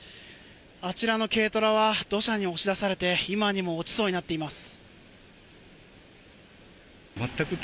あちらの軽トラは土砂に押し出されて今にも落ちそうになっています。